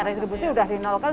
restribusi sudah di nol kan